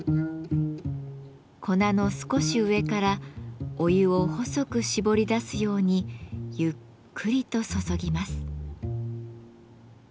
粉の少し上からお湯を細くしぼり出すようにゆっくりと注ぎます。